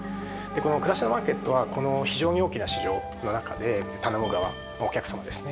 くらしのマーケットはこの非常に大きな市場の中で頼む側お客様ですね